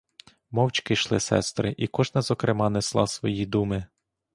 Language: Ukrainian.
Мовчки йшли сестри, і кожна зокрема несла свої думи.